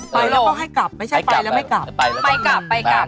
ไปแล้วก็ให้กลับไม่ใช่ไปแล้วไม่กลับไปไปกลับไปกลับ